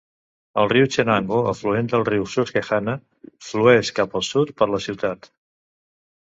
El riu Chenango, afluent del riu Susquehanna, flueix cap al sud per la ciutat.